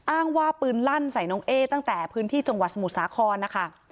อ้างว่าปืนลั่นใส่น้องเอ๊ตั้งแต่พื้นที่จังหวัดสมุทรสาครนะคะ